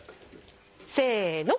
せの。